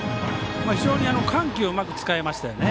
緩急をうまく使いましたよね。